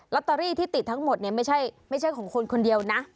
ตเตอรี่ที่ติดทั้งหมดเนี่ยไม่ใช่ของคนคนเดียวนะ